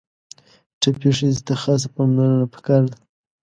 ټپي ښځې ته خاصه پاملرنه پکار ده.